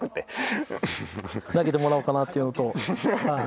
投げてもらおうかなっていうのとはい。